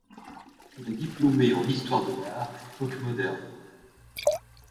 Elle est diplômée en histoire de l'art, époque moderne.